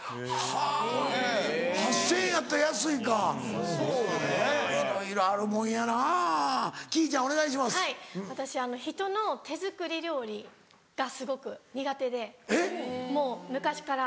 はい私人の手作り料理がすごく苦手でもう昔から。